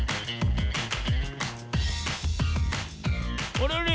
あれあれ？